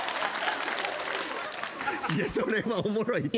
いやそれはおもろいって。